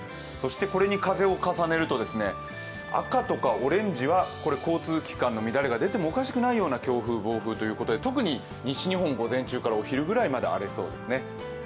そしてこれに風を重ねると、赤とかオレンジは交通機関の乱れが出てもおかしくないような強風、暴風ということで特に西日本、午前中からお昼ぐらいまで荒れそうです。